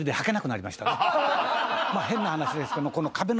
変な話ですけど。